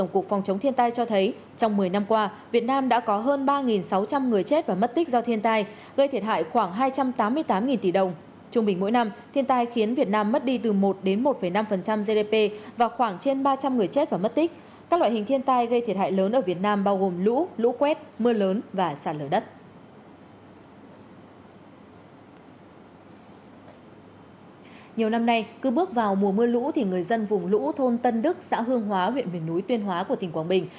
nhiều năm nay cứ bước vào mùa mưa lũ thì người dân vùng lũ thôn tân đức xã hương hóa huyện miền núi tuyên hóa của tỉnh quảng bình